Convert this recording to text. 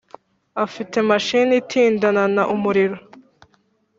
afite machine itindanana umuriro